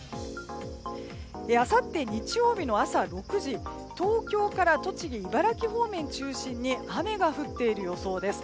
あさって日曜日の朝６時東京から栃木、茨城方面を中心に雨が降っている予想です。